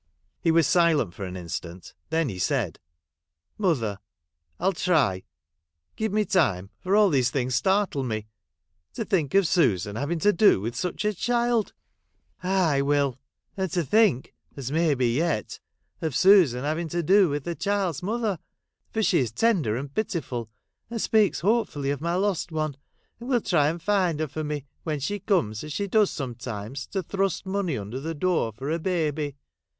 He was silent for an instant ; then he said, ' Mother, I '11 try. Give me time, for all these things startle me. To think of Susan having to do with such a child !'' Aye, Will ! and to think (as may be yet) of Susan having to do with the child's mother ! For she is tender and pitiful, and speaks hope fully of my lost one, and will try and find her for me, when she comes, as she does some times, to thrust money under the door, for her baby.